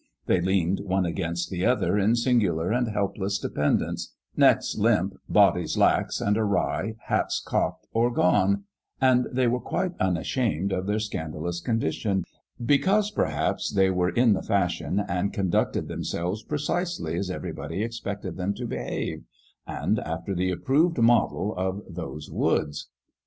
They leaned one against the other in singular and helpless dependence, necks limp, bodies lax and awry, hats cocked or gone ; and they were quite unashamed of their scandalous condition, because, perhaps, they were in the fashion, and conducted themselves precisely as everybody expected them to behave, and after the approved model of those woods.